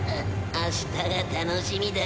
明日が楽しみだ。